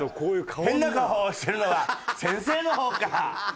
変な顔をしてるのは先生の方か！